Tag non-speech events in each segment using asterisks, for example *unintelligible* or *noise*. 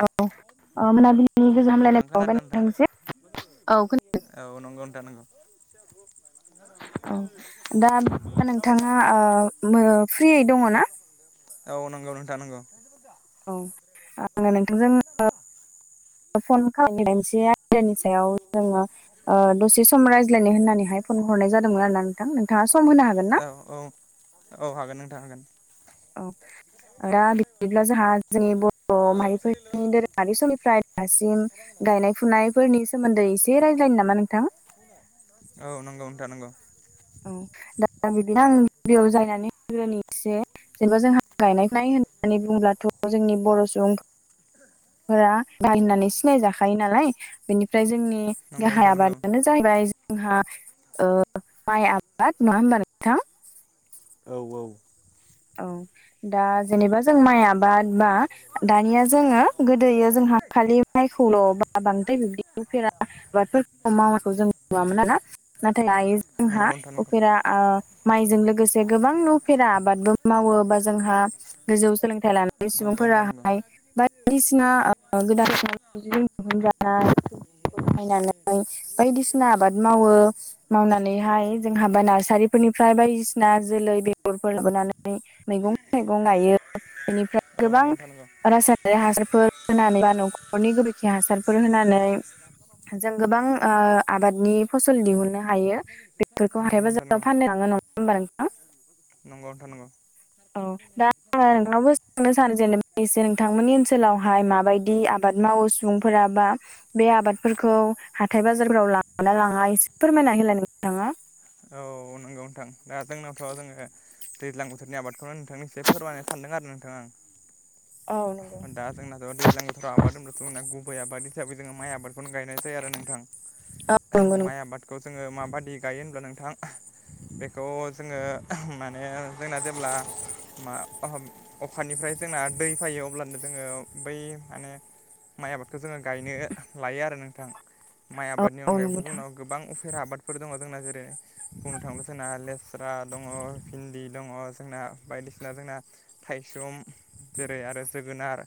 औ मोनाबिलिनि औ गोजाम नोंथां हामलायनायखौ बायबाय खोनादोंना नोंथाङा नोंथांनिसिम औ खोनादों। औ नंगौ नोंथां नंगौ ओ। औ दा नोंथाङा फ्रियै दङ ना ओ औ नंगौ नोंथा नंगौ। औ आङो *unintelligible* *unintelligible* दसे सम रायज्लायनो होननानैहाय फन हरनाय जादोंमोन आरोना नोंथां नोंथाङा सम होनो हागोन ना? औ औ। औ हागोन नोंथां हागोन। औ दा बिदिब्ला जोंहा जोंनि बर'ओ माहाफोरनि दोरोङारि समनिफ्राय दासिमबो गायनाय फुनायफोरनि सोमोन्दै एसे रायज्लायनो नामा नोंथां? औ नंगौ नोंथां नंगौ। *unintelligible* जेनेबा जोंहा गायनाय फुनाय होननानै बुंङोब्लाथ जोंनि बर' सुबुंआ *unintelligible* होननानै सिनायजाखायो नालाय बेनिफ्राय जोंनिओ नंगौ गाहाय नोंथां नंगौ आबादानो जाहैबाय जोंहा माइ आबाद *unintelligible* नङा होमबा *unintelligible* नोंथां औ औ। औ दा जेनेबा जों माइ आबादा दानिया जोङो गोदोयो जोंहा खालि माइखौल बा बांद्राय बिब्दि *unintelligible* आबादफोरखौ मावनायखौ जों नुवामोन आरोना नाथाय जोंहा नंगौ नोंथां नंगौ उफेराओ माइजों लोगोसे गोबां उफेरा आबादबो मावो बा जोंहाया गोजौ सोलोंथाइ लानाय नंगौ नोंथां नंगौ सुबुंफोराहाय बाय बायदिसिना गोदान दिहुजानाय बाहायनानै बादिसिना आबाद मावो। मावनानैहाय जोंहाबा नारसारिफोरनिफ्राय बायदिसिना जोलै बेगरफोर लाबोनानैओ मैगं थाइगं गायो बेनिफ्राय औ गोबां नंगौ नोंथां नंगौ रासायनारि हासारफोर *unintelligible* होनानै बा न'खरनि गोबोरखि हासारफोर होनानै जों गोबां आबादनि फसल दिहुननो हायो बेफोरखौ हाथाइ नंगौ नोंथां बाजाराव नंगौ फाननो लाङो नङा। होमबा नोंथांआ नंगौ नोंथां नंगौ। औ दायो नोंनावबो सोंनो सानो जेनेबा एसे नोंथांमोननि ओनसोलावहाय माबायदि आबाद मावो सुबुंफोरा बा बे आबादफोरखौ हाथाय बाजारफोराव लाङोना लाङा एसे फोरमायना होलाय नोंथाङाबो औ नंगौ नोंथां दा जोंनावथ' जोङो। दैज्लां बोथोरनि आबादखौनो नोंथांनिसिम फोरमायनो सानदों आरो नोंथां आं। औ नंगौ। दा जोंनाथ दैज्लां बोथोराव आबाद होनबथ जोंना गुबै आबाद हिसाबै जोङो माइ आबादखौ खौनो गायनाय जायो आरो औ नोंथां नंगौ नंगौ माइ आबादखौ जोङो माबायदि गायो होनब्ला नोंथांआ बेखौ जोङो माने जोंना जेब्लाबो मा अखानिफ्राय जोंना दै फैयो अब्लानो जोङो बै मानेओ माइ आबादखौ जोङो गायनो लायो आरो नोंथां आ माइ औ आबादनि औ नंगौ अनगायैबोथ नोंथां जोंनाव गोबां उफेरा आबादफोर दङ जोंना जेरै बुंनो थाङोब्ला जोंना लेस्रा दङ भिन्दि दङ जोंना बायदिसिना जोंना थाइसुम जेरै आरो जोगोनार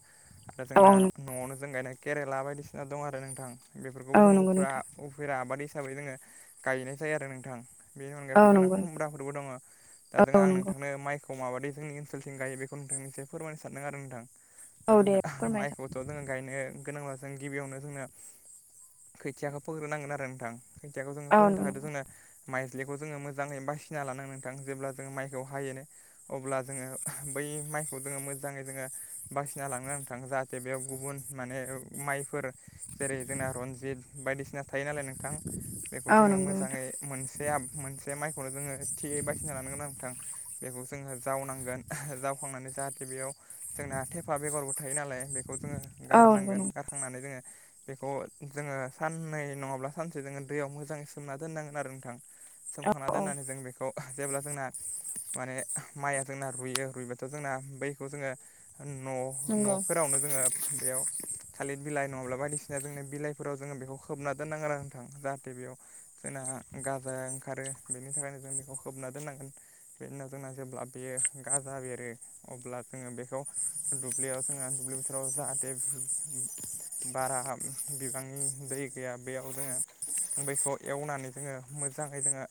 आरो औ जोंना औ न'आवनो जों गायनाय केरेला बायदिसिना दं आरो नोंथां बेफोरखौबो औ जों नंगौ उफ्रा नोंथां उफेरा आबाद हिसाबै जोङो गायनाय जायो आरो नोंथां बेनि अनगायैथ औ जोंना नंगौ नोंथां खुमब्राफोरबो दङ दा जों औ आं नंगौ नोंथांनो माइ खौ माबायदि जोंनि ओनसोलथिं गायो बेखौ नोंथां एसे फोरमायनो सानदों आरो नोंथां दा औ दे जोङो फोरमायजा माइखौ जोङो गायनो गोनांब्ला जों गिबियावनो जोंनो खोथियाखौ फोग्रोनांगोन आरो नोंथां खोथियाखौ जोङो औ फोनो नंगौ थाखायथ' नंगौ जोंना माइज्लिखौ जोङो मोजाङै बासिना लानांगोन नोंथां जेब्ला जोङो माइखौ हायो अब्ला जोङो बै माइखौ जोङो मोजाङै जोङो बासिना लांनो थाङो जाहाथे बेयाव गुबुन माने माइफोर जेरै जोंना रनजित बायदिसिना थायो नालाय नोंथां बेखौ औ जोङो नंगौ नोंथां मोजाङै मोनसे मोनसे माइखौनो जोङो थियै बासिना लानांगोन आं नोंथां बेखौ जोङो जावनांगोन जावखांनानै जाहाथे बेयाव जोंना थेफा बेगरबो थायो नालाय बेखौ जोङो औ नंगौ गारनांगोन नंगौ गार थांनानै जोङो बेखौ जोङो साननै नङाब्ला सानसे जोङो दैयाव मोजाङै सोमना दोननांगौ आरो नोंथां सोमखांना औ नंगौ। दोननानै जों बेखौ जेब्ला जोंना माने माइया जोंना रुइयो रुइबाथ' जोंना बैखौ जोङो न' नंगौ न'फोरावनो जोङो बेयाव थालिर बिलाइ नङाब्ला बायदिसिना जोंनो बिलाइफोराव जोङो बेखौ खोबना दोननांगोन आरो नोंथां जाहाथे बेयाव जोंना गाजाया ओंखारो बेनि थाखायनो जों बेखौ खोबना दोननांगोन बिनि उनाव जोंना जेब्ला बेयो गाजा बेरो अब्ला जोङो बेखौ दुब्लियाव जोङो दुब्लि बोथोराव जाहाथे बारा बिबांनि दै गैया बेयाव जोङो बैखौ एवनानै जोङो मोजाङै जोङो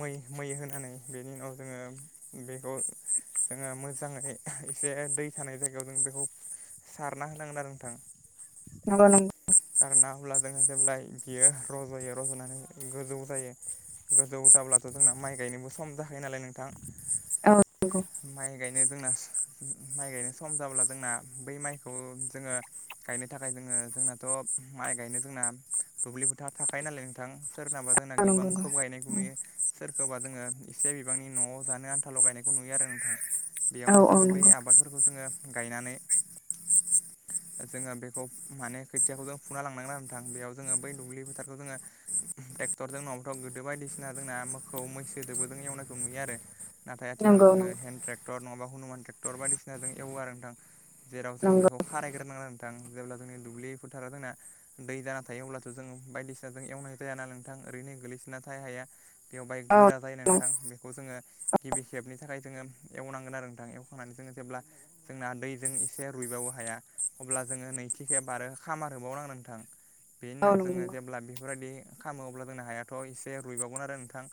मै मै होनानै बेनि उनाव जोङो बेखौ जोङो मोजाङै एसे दै थानाय जायगायाव जों बेखौ सारना होनांगोन आरो नोंथां नंगौ नों सारोना अब्ला जोङो जेब्ला बियो रज'यो रज'नानै गोजौ जायो गोजौ जाब्लाथ' जोंना माइ गायनोबो सम जाखायो नालाय नोंथां औ माइ गायनो जोंना माइ गायनाय सम जाब्ला जोंना बै माइखौ जोङो गायनो थाखाय जोङो जोंनाथ' माइ गायनो जोंना दुब्लि फोथार थाखायो नालाय नोंथां सोरनाबा जोंना नंगौ नंगौ गोबांखौ गायनायखौ नुयो सोरखौबा जोङो एसे बिबांनि न'आव जानो आनथाल' गायनायखौ नुयो आरो नोंथां औ बेयावनो औ नंगौ औ नंगौ औ नंगौ औ जोङो बै आबादफोरखौ जोङो गायनानै जोङो बेखौ माने खोथियाखौ जों फुना लांनांगोन आरो नोंथां बेयाव जोङो बै दुब्लि फोथार थ' जोङो ट्रेक्टरजों नङाबाथ' गोदो बायदिसिना जोंना मोसौ मैसो दोबोजों एवनायखौ नुयो आरो नाथाय नंगौ आथिखालाव हेन्द ट्रेक्टर नङाबा हनुमान ट्रेक्टर बायदिसिनाजों एवो आरो नोंथां जेराव जोङो बेखौ खारायग्रोनांगोन आरो नोंथां जेब्ला जोंनि दुब्लि फोथारा जोंना दै जाना थायो अब्लाथ' जोङो बायदिसि नाजों एवनाय जायाना नोंथां ओरैनो गोलैसोना थायो हाया बेवहाय बाङाइ गोरा जायो नोंथां बेखौ जोङो गिबि खेबनि थाखाय जोङो एवनांगोन आरो नोंथां एवखांनानै जोङो जेब्ला जोंना दैजों एसे रुइबावो हाया अब्ला जोङो नैथिखेब आरो खामार होबावनांगोन आरो नोंथां बेनि उनाव जोङो जेब्ला बेफोरबायदि खालामोब्ला जोंना हायाथ' एसे रुइबावगोन आरो नोंथां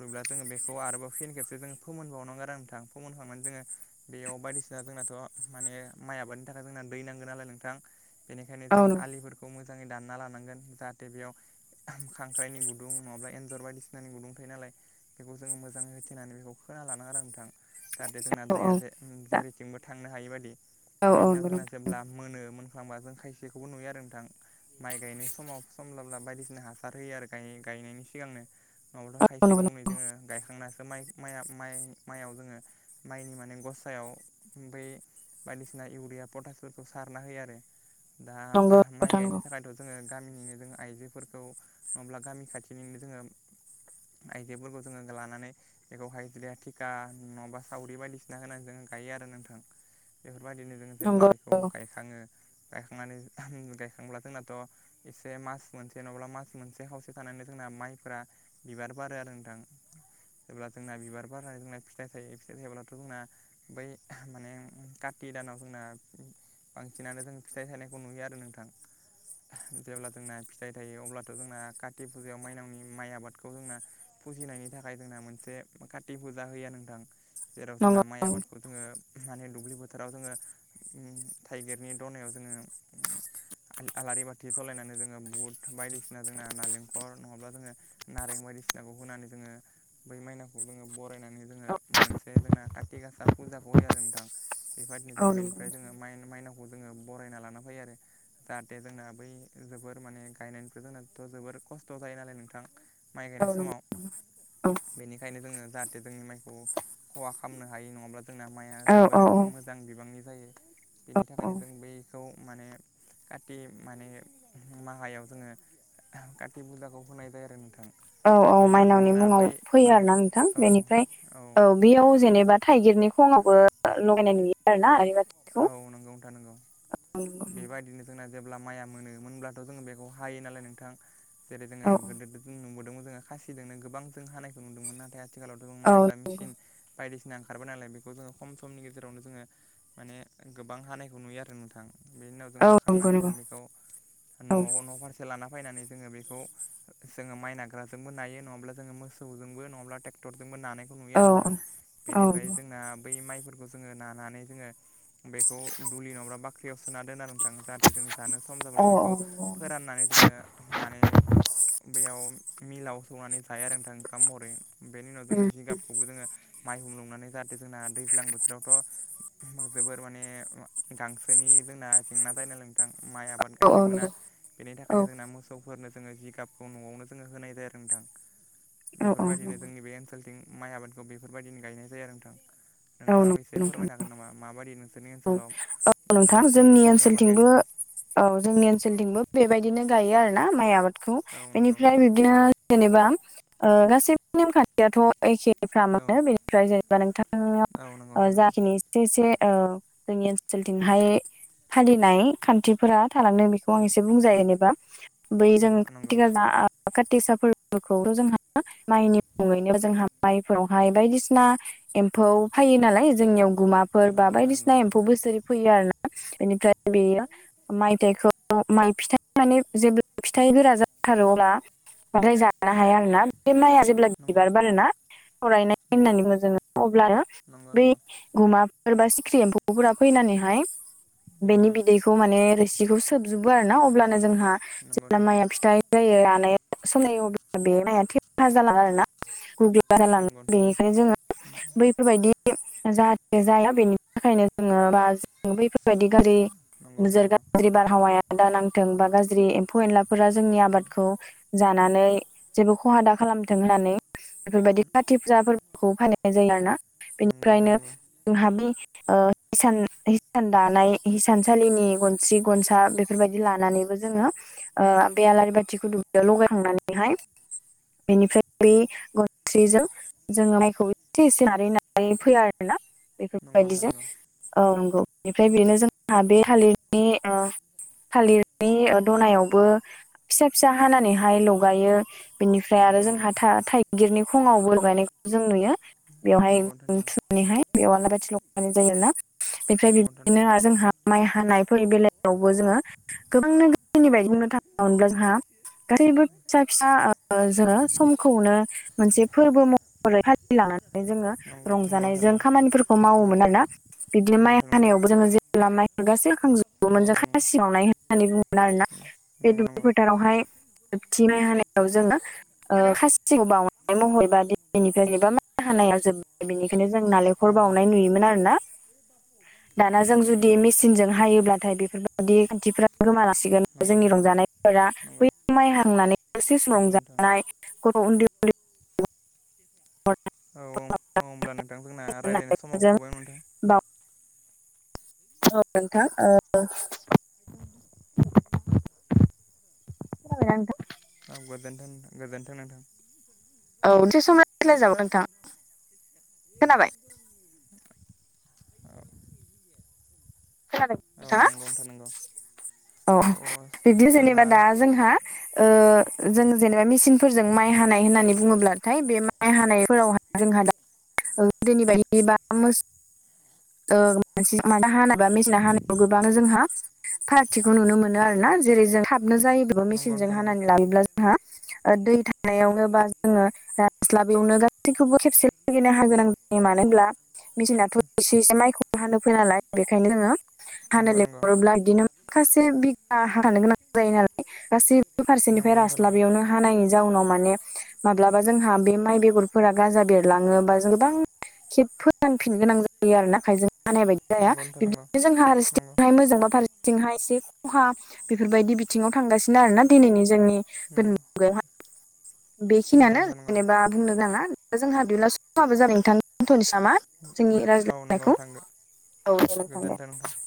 रुइब्ला जोङो बेखौ आरोबाव फिन खेबसे जोङो फोमोनबावनांगोन आरो नोंथां फोमोनखांनानै जोङो बेयाव बायदिसिना जोंनाथ' माने माइ आबादनि थाखाय जोंना दै नांगोन नालाय नोंथां बेनिखायनो जों आलिफोरखौ मोजाङै दानना लानांगोन जाहाथे बेयाव खांख्राइनि गुदुं नङाब्ला एन्जर बायदिसिनानि गुदुं थायो नालाय बेखौ जोङो मोजाङै होथेनानै बेखौ खोना लानांगोन आरो नोंथां जाहाथे जोंना दैया जे जेरैथिंबो थांनो हायि बायदि बेनि उनाव जोंना जेब्ला मोनो मोनख्लांबा जों खाय बेखौबो नुयो आरो नोंथां माइ गायनाय समाव सम लाब्ला बायदि सिना हासार होयो आरो गायनायनि सिगांनो नङाबाथ' नंगौ नंगौ खायसेखौनै जोङो गायखांनासो माइया माइ माइ माइआव जोङो माइनि माने गसायाव बै बायदिसिना इउरिया पटासफोरखौ सारना होयो आरो दा माइ नोंथां गायनो थाखायथ' जोङो गामिनिनो जों आइजो फोरखौ नङाब्ला गामि खाथिनिनो जोङो आइजोफोरखौ जोङो लानानै बेखौहाय इदिनो थिखा नङाबा सावरि बायदिसिना होनानै जों गायो आरो नोंथां बेफोरबायदिनो जों जेब्ला नंगौ बे गायखाङो गायखांनानै गायखांब्ला जोंनाथ' एसे मास मोनसे जेन'बा मास मोनसे खावसे थानानै जोंना माइफ्रा बिबार बारो आरो नोंथां जेब्ला जोंना बिबार बारनानै जोंना फिथाइ थायो फिथाइ थायोब्लाथ' जोंना बै माने काति दानाव जोंना बांसिनानो जों फिथाइ थायनायखौ नुयो आरो नोंथां जेब्ला जोंना जाय थायो अब्लाथ' जोंना काति फुजायाव माइनावनि माइ आबादखौ जोंना फुजिनायनि थाखाय जोंना मोनसे काति फुजा होयो नोंथां जेराव नंगौ नंगौ जोंना माइ आबादखौ जोङो माने दुब्लिबो फोथाराव जोङो थाइगिरनि दनायाव जोङो आलारि बाथि जलायनानै जोङो बध बायदिसिना जोंना नारेंखल नङाब्ला जोङो नारें बायदिसिनाखौ होनानै जोङो बै माइनाव जोङो बरायनानै जोङो मोनसे जोंना काथि गासा फुजाखौ होयो आरो नोंथां बेबायादिनो औ जों नंगौ बेनिफ्राय नोंथां जोङो मा माइनाव जोङो बरायना लाना फैयो आरो जाहाथे जोंना बै जोबोर माने गायनायनिफ्राय जोंनाथ' जोबोर खस्थ' जायो नालाय नोंथां माइ गायनाय औ नंगौ समाव बेनिखनो बेंखायनो जोङो जाहाथे जोंनि माइखौ खहा खालामनो हायो नङाब्ला जोंना माइआ औ जोबोर औ मोजां मोजां बिबांनि जायो बेनि औ थाखायनो जों बैखौ माने कति माने माहायाव जोङो काति फुजाखौ होनाय जायो आरो नोंथां औ औ बेनि उनावथ' माइनावनि जोंना मुङाव बै फैयो माने आरो ना नोंथां औ बेनिफ्राय औ बेयाव जेनेबा थाइगिरनि खङावबो लगायनाय नुयो आरोना आलारि बाथि औ नंगौ नोंथां नंगौ बेबायदिनो जोंना जेब्ला माइया मोनोमोनब्लाथ' जोङो बेखौ हायो नालाय नोंथां जेरै जोङो औ गोदो जों नुबोदोंमोन जोङो खासिजोंनो गोबां जों हानायखौ नुदोंमोन नाथाय आथिखालावथ' जों माइ हाग्रा औ मेसिन बायदिसिना ओंखारबबाय नालाय बेखौ जोङो खम समनि गेजेरावनो जोङो माने गोबां हानायखौ नुयो आरो नोंथां बेनि उनाव जों औ नंगौ हाखांनानै नंगौ जोङो बेखौ न'आव न' फारसे लाना फैनानै जोङो बेखौ जोङो माइ नाग्राजोंबो नायो नङाब्ला जोङो मोसौजोंबो नङाब्ला ट्रेक्टरजोंबो नानाय खौ नुयो औ आरो नोंथां औ बेनिफ्राय जोंना बै माइफोरखौ जोङो नानानै जोङो बेखौ दुलि नङाब्रा बाख्रियाव सोना दोननानै नोंथां जाहाथे जों जानो सम जाब्ला औ बेखौ औ फोराननानै जोङो माने बेयाव मिलाव सौनानै जायो आरो नोंथां ओंखाम महरै बेनि उनाव जोंङो जिगाबखौबो जोंङो माइ धुम लुंनानै जाहाथे जोंना दैज्लां बोथोरावथ' जोबोर माने गांसो गोसोनि जोंना जेंना जायो नालाय नोंथां माइ आबाद औ गायजोबोना नंगौ बेनि औ थाखायनो जोंना मोसौ सौफोरनो जोङो जिगाबखौ न'आवनो जोङो होनाय जायो आरो नोंथां औ नंगौ बेफोरबायदिनो जोंनि बे ओनसोलथिं माइ आबादखौ बेफोरबायदिनो गायनाय जायो आरो नोंथां औ नंगौ नोंथाङाबो एसे नोंथां फोरमायनो हागोन नामा माबायदि नों जोंनि औ ओनसोलाव नोंथां मेसें जोंनि बोथोरनि आबाद ओनसोलथिंबो गायनायखौ औ जोंनि ओनसोलथिंबो बेबायदिनो गायो आरो ना माइ आबादखौ औ नंगौ नोंथां बेनिफ्राय नंगौ बिदिनो। जेनेबा गासैबो नेमखान्थियाथ' एखेफ्रा औ मोनो बेनिफ्राय जेनेबा औ नंगौ नोंथांनियाव नोंथां नंगौ जाखिनि एसे एसे जोंनि ओनसोलथिंहाय फालिनाय खान्थिफोरा थालांदों बे बेखौ आं एसे बुंजायो ओं जेनेबा बै जों नंगौ खाथि नंगौ खाला काथिसाफोरखौल' जोंहा माइनि मुङैनो जोंहा माइफोरावहाय बायदिसिना एम्फौ फायो नालाय जोंनियाव गुमाफोर बा नंगौ नोंथां बायदिसिना एम्फौ बोसोरै फैयो आरोना बेनिफ्राय बेयो माइथाइखौ माइ फिथाइ माने जेब्ला फिथाइफोरा जाथारो अब्ला *unintelligible* बांद्राय जानो हाया आरोना बे माइआ जेब *unintelligible* अब्ला नंगौ बिबार बारोना थ'राइनाय होननानै बुङो जों अब्लानो नंगौ बै गुमाफोर बा सिख्रि एम्फौफोरा फैनानैहाय बेनि बिदै खौ माने रोसिखौ सोबजोबो आरोना अब्लानो जोंहा नंगौ जेब्ला नंगौ नोंथां नंगौ माइया फिथाइ जायो रानायाव सनाय अब्ला बे माइया थेफा जालाङो आरोना गुग *unintelligible* बारा जालाङो नंगौ नोंथां नंगौ बेनिखायनो जोङो बैफोरबायदि जाहाथे जाया बेनि थाखायनो जोङो बा जों बैफोरबायदि गारि नंगौ नोंथां नोजोर नंगौ गाज्रि *unintelligible* बारहावाया दा नांथों बा गाज्रि एम्फौ एनलाफोरा जोंनि आबादखौ जानानै जेबो खहा दा खालामथों होननानै बेफोरबायदि खा *unintelligible* खाथि फुजा फोरबोखौ फालिनाय जायो आरोना नंगौ नोंथां बेनिफ्रायनो नंगौ जोंहा बि ओ *unintelligible* हिसान हिसान दानाय हिसानसालिनि गनस्रि गनसा बेफोरबायदि लानानैबो जोङो बे आलारि बाथिखौ दुब्लियाव लगायखांनानैहाय बेनिफ्राय बे गनस्रिजों जों माइखौ एसे एसे नारै नारै फोआ आरोना नंगौ नोंथां बेफोरबायदिजों नंगौ औ नंगौ बेनिफ्राय बेनो जोंहा बे थालिरनि ओ थालिरनि दनायावबो फिसा फिसा हानानैहाय लगायो। बिनिफ्राय आरो नंगौ जोंहा नंगौ था थाइगिरनि खङावबो गायनायखौ जों नुयो बेवहाय नंगौ नोंथां नंगौ थु नानैहाय बेयाव आलारि बाथि लगायनाय जायो आरोना बेनिफ्राय बिब्दिनो नंगौ जोंहा माइ हानायफोरनि बेलायावबो जोङो गोबां रोखोमनि बायदि बुंनो थाङोमोनब्ला जोंहा *unintelligible* गासैबो फिसा फिसा जोङो ओ समखौनो *unintelligible* मोनसे फोरबो महरै फालि लांनागोन जोङो *unintelligible* नोंथां रंजानायजों खामानिफोरखौ मावोमोन नंगौ आरोना बिदिनो नंगौ माइ हानायावबो जोङो जे खामनायफोर गासैखांजोबोमोन नंगौ जों नोंथां खासि बावनाय होननानै बुंङोमोन आरोना। बे नंगौ नंगौ दुब्लि फोथारावहाय जोबथि माइ हानायाव जोङो ओ खासिखौ बावनानै महरैबा दिनिफ्राय बा माइ हानायाव जोब्बाय बेनि *unintelligible* बेनिखायनो जों नंगौ नोंथां नालेंखर नंगौ बावनाय नुयोमोन आरोना। दाना जों नंगौ नोंथां जुदि मेसिनजों हायोब्लाथाय बेफोरबायदि खान्थिफ्रा गोमालाांसिगोन। नंगौ नंगौ जोंनि नोंथां नंगौ नोंथां रंजानायफोरा नंगौ बै माइ हांहांनानै दसे सम नंगौ नोंथां रंजानाय गथ' उन्दै उन्दै *unintelligible* औ औ औ ओमब्ला नोंथां जोंना रायज्लायनाय समाबो उन्दैजों थ'बायमोन नोंथां। बाव औ नोंथां ओ *unintelligible* खोनादोंना नोंथां? औ गोजोनथों नोंथां गोजोन्थों नोंथां। औ थि सम रायलाय जागोन नोंथां। खोनाबाय औ। खोनादों औ नोंथाङा नंगौ नोंथां नंगौ। औ बिदिदि जोंना जेनेबा दा। जोंहा ओ जों जेनेबा मिचिनफोरजों माइ हानाय होननानै बुङोब्लाथाय बे माइ हानायफोराव जोंहा दा गोदोनि बायदि बा मोसौ *unintelligible* ओ मेचिनाव माने हानाय बा मेचिनाव हानायखौ गोबां जोंहा फारागथिखौ नुनो मोनो आरोना जेरै जों थाबनो जायोबो बा नंगौ मेचिनजों नोंथां नंगौ हानानै लायोब्ला जोंहा ओ दै थानायावनो बा जोङो जास्लाबियावनो गासैखौबो खेबसे लागिनो हानो गोनां जायो मानो होनब्ला मेचिनाथ एसे एसे माइखौबो हानो फैया नालाय बेखायनो जोङो हानो नंगौ नंगौ लिंहरोब्ला बिदिनो माखासे बिगा हाखानो गोनां जायो नालाय गासैबो फारसेनिफ्राय नंगौ नोंथां रास्लाबियावनो हानायनि जाउनाव माने माब्लाबा जोंहा बे माइ बेगरफोरा गाजा बेरलाङो बा गोबां खेब फोरानफिनो गोनां जायो आरोना आखाइजों हानाय बायदि नंगौ जाया नोंथां नंगौ बिदिनो जोंहा फारसेथिंहाय मोजां बा फार सेथिंहाय जोंहा एसे खहा बेफोरबायदि बिथिङाव थांगासिनो आरोना दिनैनि जोंनि नंगौ गोदोन मुगायावहाय नंगौ नंगौ बेखिनियानो नोंथां नंगौ जेनेबा बुंनो गोनाङा दा जोंहा बिदिबा समाबो जाबाय नोंथां दोन्थनिसै नामा जोंनि औ नंगौ रायज्लायनायखौ नोंथां औ दे नोंथां दे